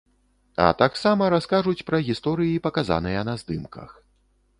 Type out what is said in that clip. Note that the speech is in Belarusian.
А таксама раскажуць пра гісторыі, паказаныя на здымках.